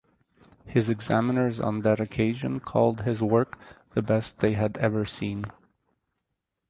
His examiners on that occasion called his work the best they had ever seen.